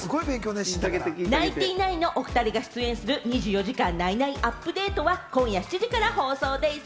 ナインティナインのお２人が出演する『２４時間ナイナイアップデート！！』は今夜７時から放送でぃす。